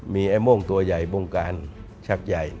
มีไอ้โม่งตัวใหญ่บ่งการชักใหญ่